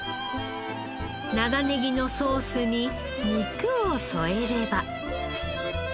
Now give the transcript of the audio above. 長ネギのソースに肉を添えれば。